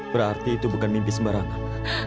berarti itu bukan mimpi sembarangan